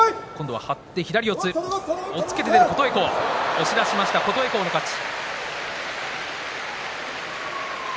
押し出しました琴恵光の勝ち。